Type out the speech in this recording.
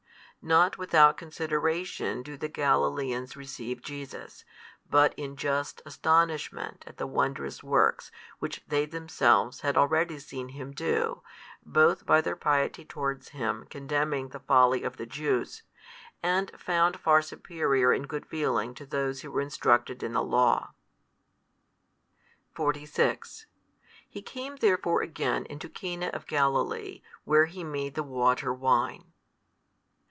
Not without consideration do the Galileans receive Jesus, but in just astonishment at the wondrous works which they themselves had already seen Him do, both by their piety towards Him condemning the folly of the Jews, and found far superior in good feeling to those who were instructed in the law. 46 He came therefore again into Cana of Galilee where He made the water wine.